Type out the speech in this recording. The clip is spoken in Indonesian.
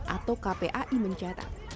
atau kpai mencatat